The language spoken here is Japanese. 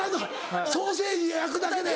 ソーセージ焼くだけで？